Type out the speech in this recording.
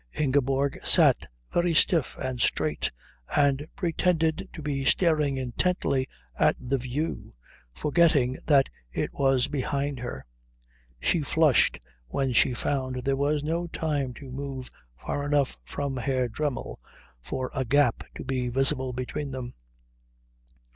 Ingeborg sat very stiff and straight and pretended to be staring intently at the view, forgetting that it was behind her. She flushed when she found there was no time to move far enough from Herr Dremmel for a gap to be visible between them.